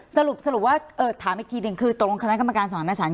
สรุปสรุปว่าเอ่อถามอีกทีหนึ่งคือตรงคณะกรรมการสมัครนาชาญ